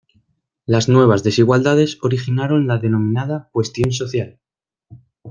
Las nuevas desigualdades originaron la denominada "cuestión social".